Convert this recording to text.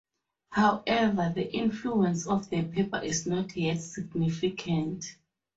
However, the influence of the paper is not yet significant.